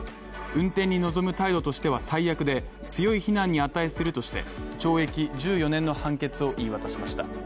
運転に臨む態度としては最悪で強い非難に値するとして、懲役１４年の判決を言い渡しました。